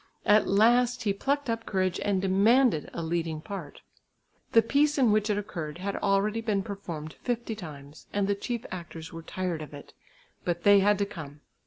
At last he plucked up courage and demanded a leading part. The piece in which it occurred had already been performed fifty times, and the chief actors were tired of it, but they had to come.